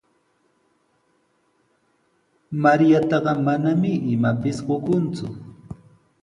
Mariataqa manami imapis qukunku.